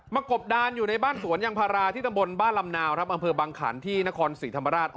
กบดานอยู่ในบ้านสวนยางพาราที่ตำบลบ้านลำนาวครับอำเภอบังขันที่นครศรีธรรมราช